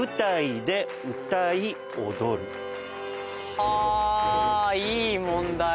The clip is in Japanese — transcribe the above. はぁいい問題。